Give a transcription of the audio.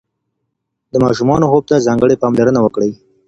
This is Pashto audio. د ماشومانو خوب ته ځانګړې پاملرنه وکړئ.